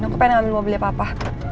aku pengen ambil mobilnya papa